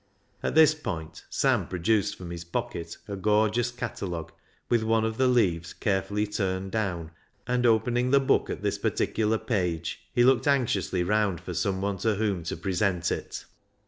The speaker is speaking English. At this point, Sam produced from his pocket a gorgeous catalogue, with one of the leaves carefully turned down, and, opening the book at this particular page, he looked anxiously round for someone to whom to present it.